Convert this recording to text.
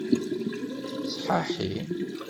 Sḥaḥi.